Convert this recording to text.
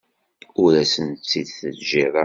Ur asen-tt-id-teǧǧiḍ ara.